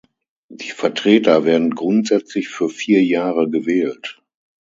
Die Vertreter werden grundsätzlich für vier Jahre gewählt.